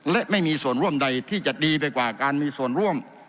และไม่มีส่วนร่วมใดที่จะดีไปกว่าการมีส่วนร่วม